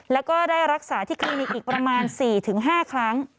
แล้วก็ได้รักษาที่คลินิกอีกประมาณ๔๕ครั้ง